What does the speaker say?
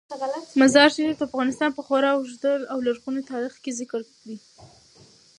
مزارشریف د افغانستان په خورا اوږده او لرغوني تاریخ کې ذکر دی.